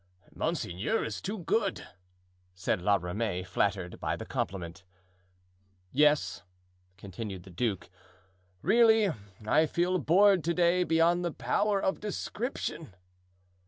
"Monseigneur is too good," said La Ramee, flattered by the compliment. "Yes," continued the duke, "really, I feel bored today beyond the power of description."